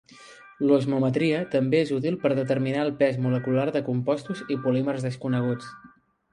L'osmometria també és útil per determinar el pes molecular de compostos i polímers desconeguts.